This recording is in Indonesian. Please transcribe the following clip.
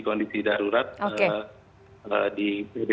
kondisi darurat di kbri ini